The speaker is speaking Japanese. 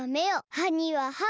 はにははを。